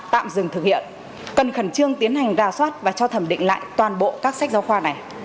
tạm dừng thực hiện cần khẩn trương tiến hành ra soát và cho thẩm định lại toàn bộ các sách giáo khoa này